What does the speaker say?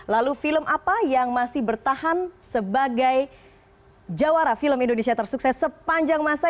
lalu film apa yang masih bertahan sebagai jawara film indonesia tersukses sepanjang masa